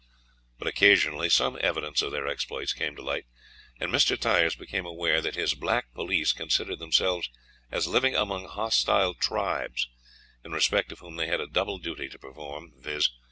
But occasionally some evidence of their exploits came to light, and Mr. Tyers became aware that his black police considered themselves as living among hostile tribes, in respect of whom they had a double duty to perform, viz.